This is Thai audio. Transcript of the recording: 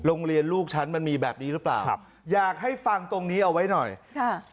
ลูกฉันมันมีแบบนี้หรือเปล่าครับอยากให้ฟังตรงนี้เอาไว้หน่อยค่ะ